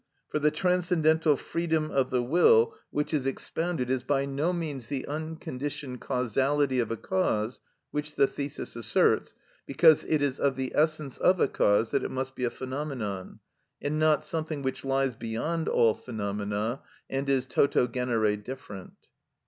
For the transcendental freedom of the will which is expounded is by no means the unconditioned causality of a cause, which the thesis asserts, because it is of the essence of a cause that it must be a phenomenon, and not something which lies beyond all phenomena and is toto genere different.